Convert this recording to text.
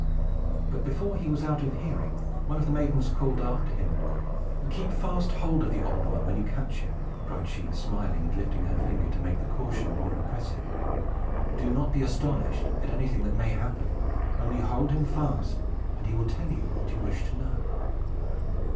But, before he was out of hearing, one of the maidens called after him. "Keep fast hold of the Old One, when you catch him!" cried she, smiling, and lifting her finger to make the caution more impressive. "Do not be astonished at anything that may happen. Only hold him fast, and he will tell you what you wish to know."